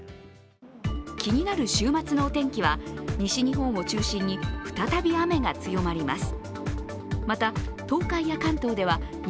気になる週末のお天気は、西日本を中心に再び雨が強まります。